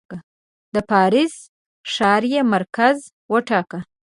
د پاریس ښار یې مرکز وټاکه.